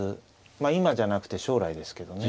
今じゃなくて将来ですけどね